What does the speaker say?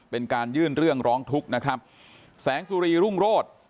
เป็นการยื่นเรื่องร้องทุกข์นะครับแสงสุรีรุ่งโรธ